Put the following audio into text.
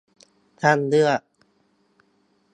ช่างเลือก